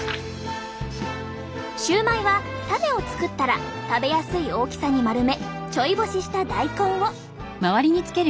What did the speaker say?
シューマイはタネを作ったら食べやすい大きさに丸めちょい干しした大根を。